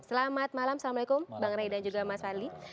selamat malam assalamualaikum bang ray dan juga mas fadli